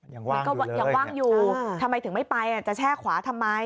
ยังว่างอยู่ทำไมถึงไม่ไปจะแช่ขวาทำไม